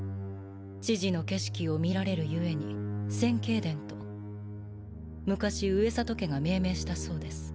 千々の景色を見られるゆえに千景殿と昔上里家が命名したそうです。